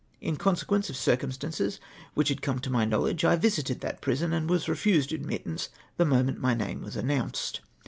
In consequence of circumstances wdiicli ]iad come to my knowledge, I visited that prison and was refused cuhnitfance the moment my name was announced.